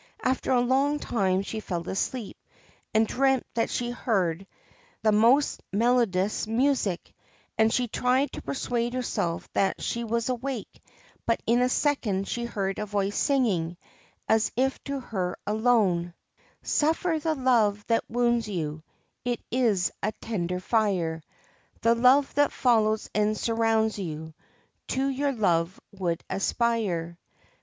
After a long time she fell asleep, and dreamt that she heard the THE GREEN SERPENT most melodious music, and she tried to persuade herself that she was awake, but in a second she heard a voice singing, as if to her alone :' Suffer the love that wounds you : It is a tender fire. The love that follows and surrounds you To your love would aspire.